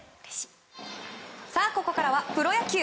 さあ、ここからはプロ野球。